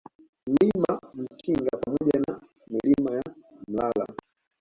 Mlima Mkinga pamoja na Milima ya Mlala